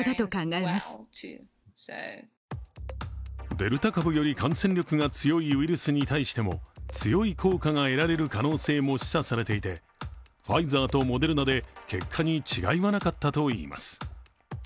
デルタ株より感染力が強いウイルスに対しても強い効果が得られる可能性も示唆されていてファイザーとモデルナで結果に違いはなかったといいます。